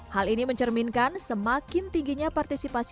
hal ini mencerminkan semakin tingginya partisipasi